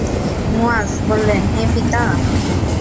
মুয়ায বললেন, হে পিতা!